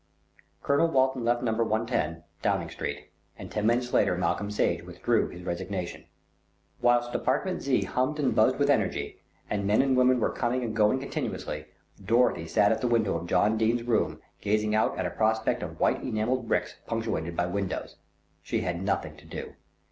Colonel Walton left No. 110, Downing Street, and ten minutes later Malcolm Sage withdrew his resignation. Whilst Department Z. hummed and buzzed with energy, and men and women were coming and going continuously, Dorothy sat at the window of John Dene's room gazing out at a prospect of white enamelled bricks punctuated by windows. She had nothing to do.